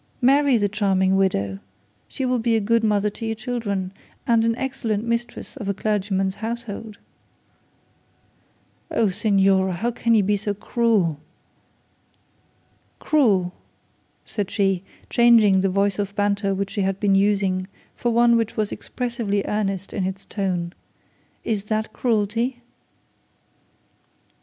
Marry the charming widow! She will be a good mother to your children and an excellent mistress of a clergyman's household.' 'Oh, signora, how can you be so cruel?' 'Cruel,' said she, changing the voice of her banter which she had been using for one which was expressively earnest in its tone; 'is that cruelty?'